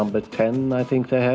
mereka adalah pemain yang bagus